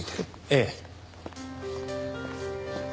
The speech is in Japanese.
ええ。